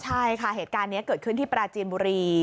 ใช่ค่ะเหตุการณ์นี้เกิดขึ้นที่ปราจีนบุรี